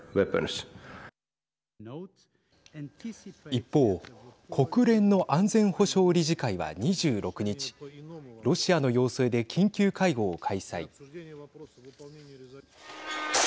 一方、国連の安全保障理事会は２６日ロシアの要請で緊急会合を開催。